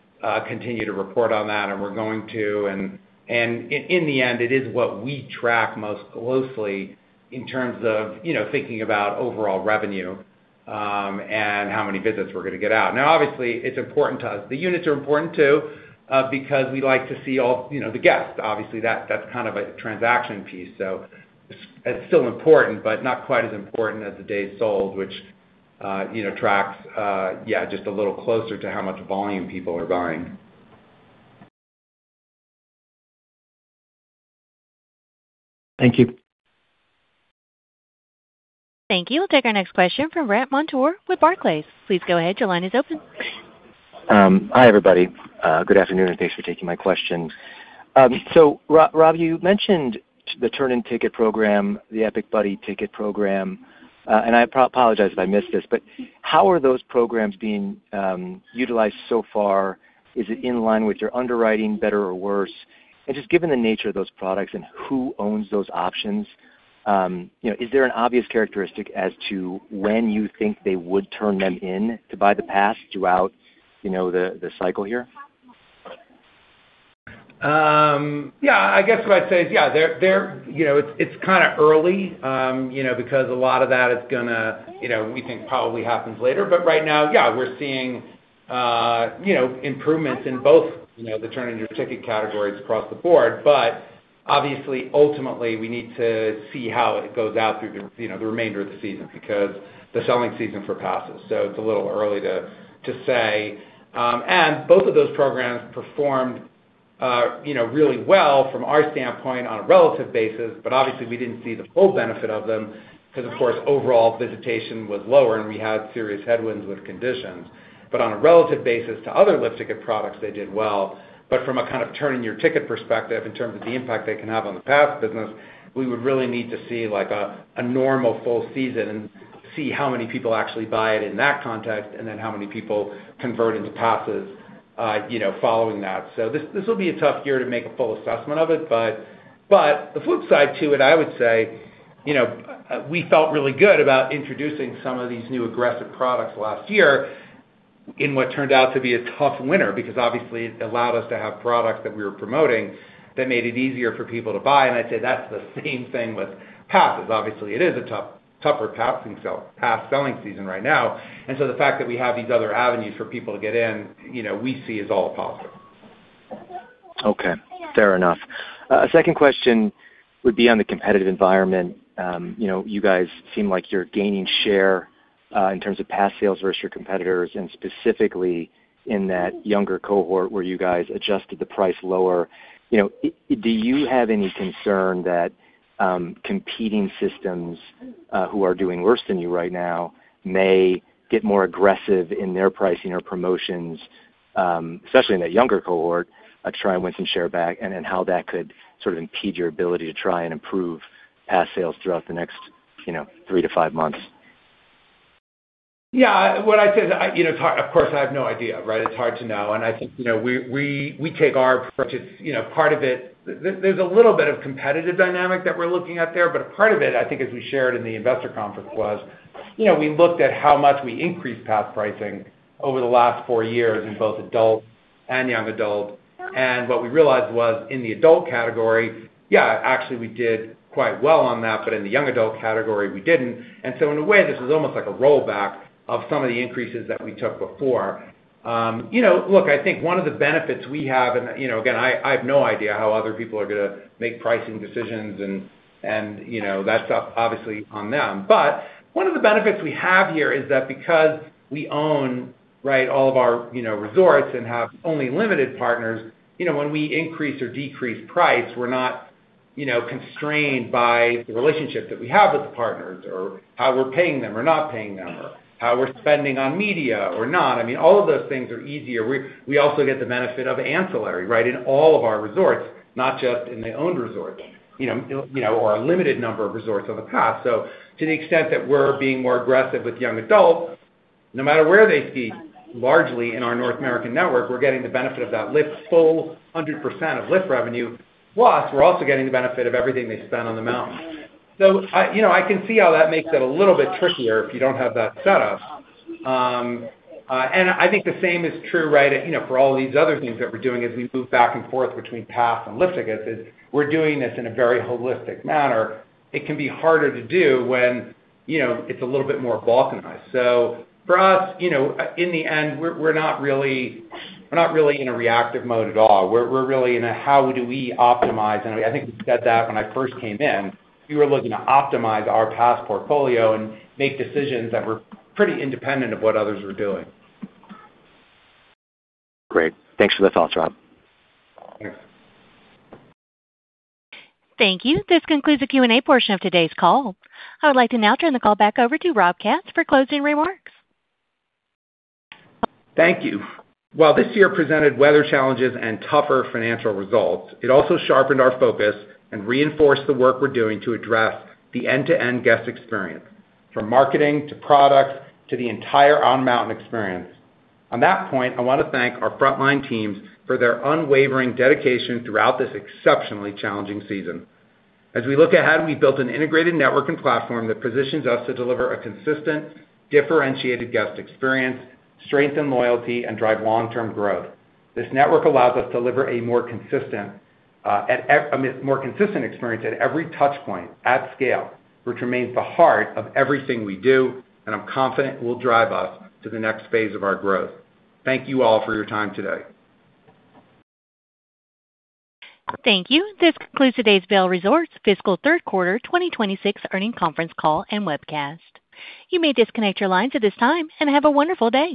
continue to report on that or we're going to. In the end, it is what we track most closely in terms of thinking about overall revenue and how many visits we're going to get out. Obviously, it's important to us. The units are important too because we like to see all the guests. Obviously, that's kind of a transaction piece, so it's still important, but not quite as important as the days sold, which tracks just a little closer to how much volume people are buying.
Thank you.
Thank you. We'll take our next question from Brandt Montour with Barclays. Please go ahead. Your line is open.
Hi, everybody. Good afternoon, and thanks for taking my questions. Rob, you mentioned the Turn In Your Ticket program, the Epic Friend Tickets program, and I apologize if I missed this, but how are those programs being utilized so far? Is it in line with your underwriting better or worse? Just given the nature of those products and who owns those options, is there an obvious characteristic as to when you think they would turn them in to buy the pass throughout the cycle here?
I guess what I'd say is, it's kind of early because a lot of that we think probably happens later. Right now, we're seeing improvements in both the Turn In Your Ticket categories across the board. Obviously, ultimately, we need to see how it goes out through the remainder of the season because the selling season for passes. It's a little early to say. Both of those programs performed really well from our standpoint on a relative basis, but obviously, we didn't see the full benefit of them because, of course, overall visitation was lower, and we had serious headwinds with conditions. On a relative basis to other lift ticket products, they did well. From a kind of Turn In Your Ticket perspective in terms of the impact they can have on the pass business, we would really need to see a normal full season and see how many people actually buy it in that context and then how many people convert into passes following that. This will be a tough year to make a full assessment of it, but the flip side to it, I would say, we felt really good about introducing some of these new aggressive products last year in what turned out to be a tough winter, because obviously it allowed us to have products that we were promoting that made it easier for people to buy, and I'd say that's the same thing with passes. It is a tougher pass selling season right now, the fact that we have these other avenues for people to get in, we see as all a positive.
Okay. Fair enough. A second question would be on the competitive environment. You guys seem like you're gaining share in terms of pass sales versus your competitors, and specifically in that younger cohort where you guys adjusted the price lower. Do you have any concern that competing systems who are doing worse than you right now may get more aggressive in their pricing or promotions, especially in that younger cohort, try and win some share back, and then how that could sort of impede your ability to try and improve pass sales throughout the next three to five months?
Yeah. Of course, I have no idea, right? It's hard to know, I think we take our purchase. There's a little bit of competitive dynamic that we're looking at there, a part of it, I think, as we shared in the investor conference was, we looked at how much we increased pass pricing over the last four years in both adult and young adult. What we realized was in the adult category, yeah, actually, we did quite well on that, in the young adult category, we didn't. In a way, this was almost like a rollback of some of the increases that we took before. Look, I think one of the benefits we have, again, I have no idea how other people are going to make pricing decisions and that stuff, obviously, on them. One of the benefits we have here is that because we own all of our resorts and have only limited partners, when we increase or decrease price, we're not constrained by the relationship that we have with the partners or how we're paying them or not paying them or how we're spending on media or not. All of those things are easier. We also get the benefit of ancillary in all of our resorts, not just in the owned resorts or a limited number of resorts on the path. To the extent that we're being more aggressive with young adults, no matter where they ski, largely in our North American network, we're getting the benefit of that lift, full 100% of lift revenue. Plus, we're also getting the benefit of everything they spend on the mountain. I can see how that makes it a little bit trickier if you don't have that set up. I think the same is true for all these other things that we're doing as we move back and forth between path and lift tickets, is we're doing this in a very holistic manner. It can be harder to do when it's a little bit more balkanized. For us, in the end, we're not really in a reactive mode at all. We're really in a how do we optimize. I think we said that when I first came in. We were looking to optimize our path portfolio and make decisions that were pretty independent of what others were doing.
Great. Thanks for the thoughts, Rob.
Yeah.
Thank you. This concludes the Q&A portion of today's call. I would like to now turn the call back over to Rob Katz for closing remarks.
Thank you. While this year presented weather challenges and tougher financial results, it also sharpened our focus and reinforced the work we're doing to address the end-to-end guest experience, from marketing to product to the entire on-mountain experience. On that point, I want to thank our frontline teams for their unwavering dedication throughout this exceptionally challenging season. As we look ahead, we built an integrated network and platform that positions us to deliver a consistent, differentiated guest experience, strengthen loyalty, and drive long-term growth. This network allows us deliver a more consistent experience at every touch point at scale, which remains the heart of everything we do, and I'm confident will drive us to the next phase of our growth. Thank you all for your time today.
Thank you. This concludes today's Vail Resorts fiscal third quarter 2026 earnings conference call and webcast. You may disconnect your lines at this time, and have a wonderful day.